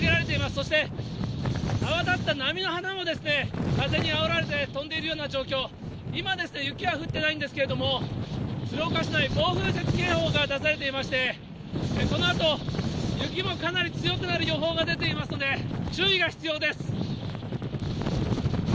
そして泡立った波の花も風にあおられて飛んでいるような状況、今ですね、雪は降っていないんですけれども、鶴岡市内、暴風雪警報が出されていまして、このあと雪もかなり強くなる予報が出ていますので、注意が必要です。